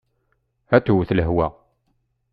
Ad twet lehwa.